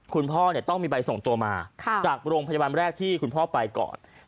คุณพ่อต้องมีใบส่งตัวมาจากโรงพยาบาลแรกที่คุณพ่อไปก่อน